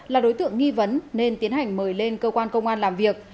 là đối tượng nghi vấn nên tiến hành mời lên cơ quan công an làm việc